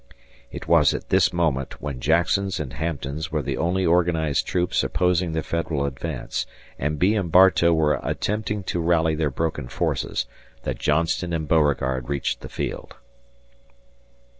It was at this moment when Jackson's and Hampton's were the only organized troops opposing the Federal advance and Bee and Bartow were attempting to rally their broken forces, that Johnston and Beauregard reached the field.